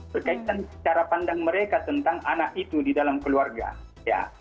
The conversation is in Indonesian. berkaitan cara pandang mereka tentang anak itu di dalam keluarga ya